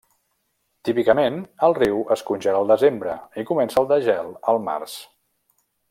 Típicament el riu es congela el desembre i comença el desgel el març.